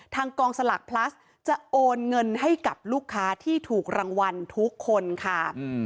กองสลากพลัสจะโอนเงินให้กับลูกค้าที่ถูกรางวัลทุกคนค่ะ